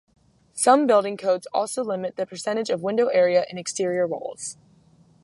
Some building codes also limit the percentage of window area in exterior walls.